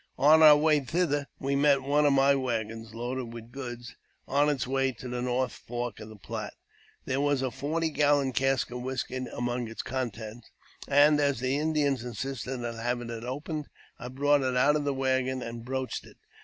On our way thither we met one of my waggons, loaded with goods, on its way to the North Fork of the Platte. There was a forty gallon cask of whisky among its contents, and, as the Indians insisted on having it opened, I brought it out of the waggon, and broached it.